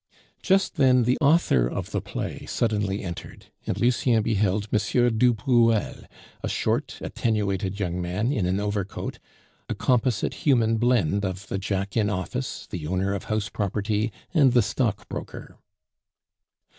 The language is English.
Just then the author of the play suddenly entered, and Lucien beheld M. du Bruel, a short, attenuated young man in an overcoat, a composite human blend of the jack in office, the owner of house property, and the stockbroker.